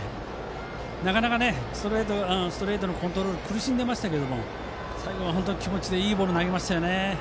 なかなかストレートのコントロールに苦しんでいましたけど最後は本当に気持ちでいいボールを投げましたね。